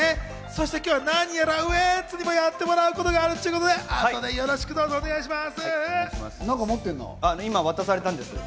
今日は何やらウエンツにもやってもらうことがあるということで、後でよろしくどうぞお願いします。